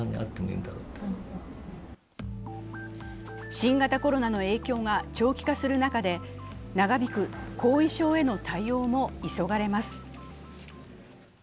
新型コロナの影響が長期化する中で長引く後遺症への対応も急がれます。